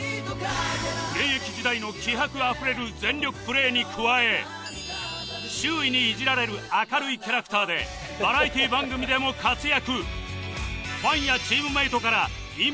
現役時代の気迫あふれる全力プレーに加え周囲にイジられる明るいキャラクターでバラエティー番組でも活躍